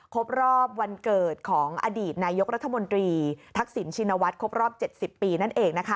ครบรอบวันเกิดของอดีตนายกรัฐมนตรีทักษิณชินวัฒน์ครบรอบ๗๐ปีนั่นเองนะคะ